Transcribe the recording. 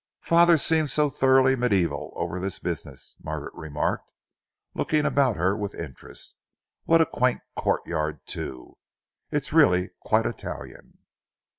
"Father seems thoroughly mediaeval over this business," Margaret remarked, looking about her with interest. "What a quaint courtyard, too! It really is quite Italian."